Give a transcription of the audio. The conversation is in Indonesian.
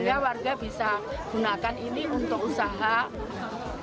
sehingga warga bisa gunakan ini untuk usaha dan pengembangan kawasan ini